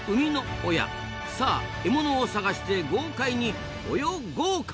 さあ獲物を探して豪快に泳ごうかい！